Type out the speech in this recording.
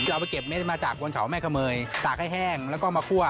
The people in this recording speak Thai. เอาไปเก็บเม็ดมาจากบนเขาแม่เขมยตากให้แห้งแล้วก็มาคั่ว